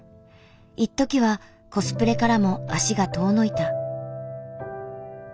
一時はコスプレからも足が遠のいた。